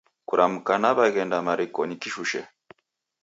Kuramka naweghenda marikonyi kishushe